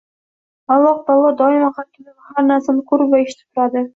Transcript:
Alloh taolo doimo har kimni va har narsani ko‘rib va eshitib turadi.